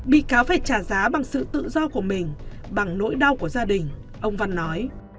bị cáo phải trả giá bằng sự tự do của mình bằng nỗi đau của gia đình ông văn nói